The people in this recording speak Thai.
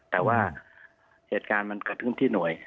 แต่ว่าเหตุการณ์มันเกิดขึ้นที่หน่วย